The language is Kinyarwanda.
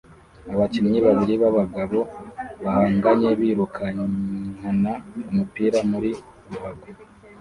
Abakinnyi babiri b'abagabo bahanganye birukankana umupira muri ruhago